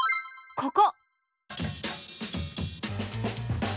ここ！